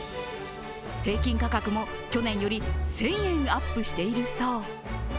平均価格も去年より１０００円アップしているそう。